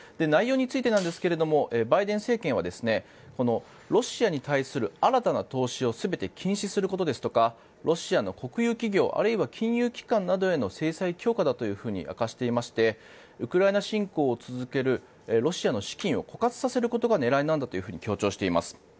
内容についてなんですがバイデン政権はロシアに対する新たな投資を全て禁止することですとかロシアの国有企業あるいは金融機関などへの制裁強化だと明かしていましてウクライナ侵攻を続けるロシアの資金を枯渇させることが狙いなんだと強調しています。